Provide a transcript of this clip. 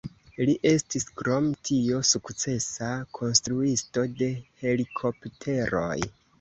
Li estis krom tio sukcesa konstruisto de helikopteroj.